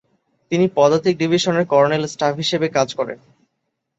তিনি পদাতিক ডিভিশনের কর্নেল স্টাফ হিসেবে কাজ করেন।